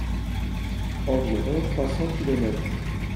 Environ trois cents kilomètres.